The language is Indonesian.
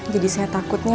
jadi saya takutnya